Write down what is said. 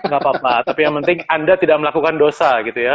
gak apa apa tapi yang penting anda tidak melakukan dosa gitu ya